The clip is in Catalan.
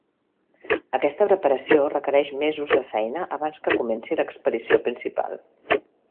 Aquesta preparació requereix mesos de feina abans que comenci l'expedició principal.